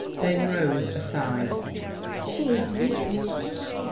DAME ROSE (aside). She is weeping!